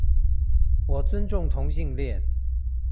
我尊重同性戀